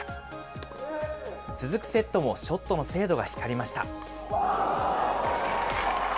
続くセットもショットの精度が光りました。